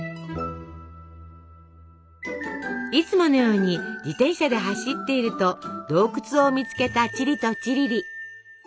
いつものように自転車で走っていると洞窟を見つけたチリとチリリ。